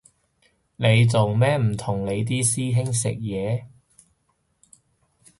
你做咩唔同你啲兄弟食嘢？